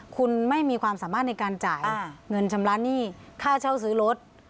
คุณไม่มีความสามารถในการจ่ายเงินชำระหนี้ค่าเช่าซื้อรถ